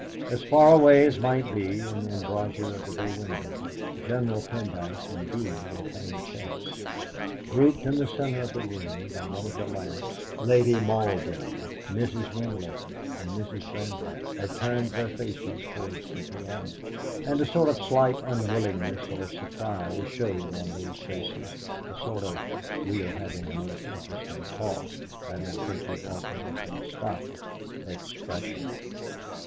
As far away as might be, in the embrasure of the bay window, General Pendyce and Bee were playing chess. Grouped in the centre of the room, by one of the lamps, Lady Malden, Mrs. Winlow, and Mrs. Brandwhite had turned their faces towards the piano, and a sort of slight unwillingness or surprise showed on those faces, a sort of "We were having a most interesting talk; I don't think we ought to have been stopped" expression.